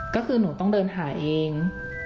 ก็คือหนูต้องเดินหาเอง